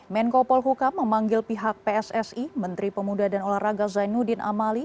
menko polhukam memanggil pihak pssi menteri pemuda dan olahraga zainuddin amali